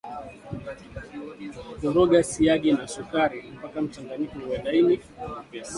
Koroga siagi na sukari mpaka mchanganyiko uwe laini na mwepesi